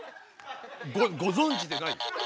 ⁉ごぞんじでない？